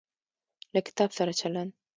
له کتاب سره چلند